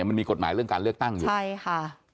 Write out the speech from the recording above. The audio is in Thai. มันมีกฎหมายเรื่องการเลือกตั้งอยู่ใช่ค่ะ